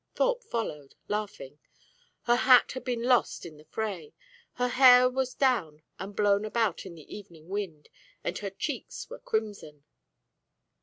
Thorpe followed, laughing. Her hat had been lost in the fray; her hair was down and blown about in the evening wind, and her cheeks were crimson.